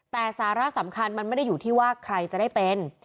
แต่สาระสำคัญมันไม่ได้อยู่ที่ว่าใครจะได้เป็น